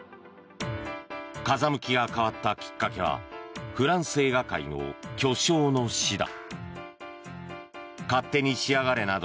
風向きが変わったきっかけはフランス映画界の巨匠の死だ。